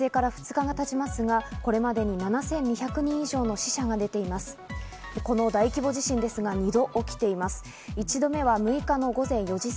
間もなく発生から２日が経ちますが、これまでに７２００人以上の死者が出ています。